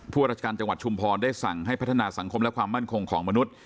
ราชการจังหวัดชุมพรได้สั่งให้พัฒนาสังคมและความมั่นคงของมนุษย์